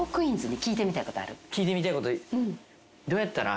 聞いてみたいこと。